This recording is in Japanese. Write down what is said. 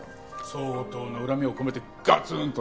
相当な恨みを込めてガツン！とね。